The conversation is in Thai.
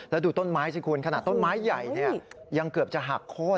แล้วดูต้นไม้สิคุณขนาดต้นไม้ใหญ่ยังเกือบจะหักโค้น